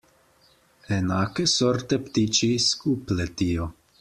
Enake sorte ptiči skup letijo.